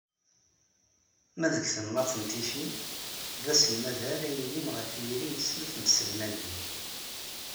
Ma deg temnaḍt n Ticci, d aselmed ara yilin ɣef yiri n snat n tselmadin.